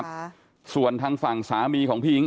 ก็ขอเป็นกำลังใจพี่หญิงด้วยนะฮะ